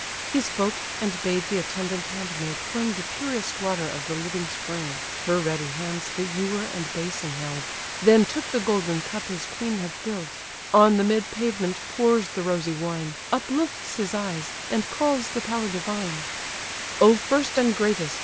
He spoke, and bade the attendant handmaid bring The purest water of the living spring: (Her ready hands the ewer and bason held:) Then took the golden cup his queen had fill'd; On the mid pavement pours the rosy wine, Uplifts his eyes, and calls the power divine: "O first and greatest!